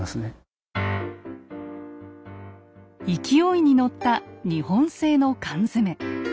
勢いに乗った日本製の缶詰。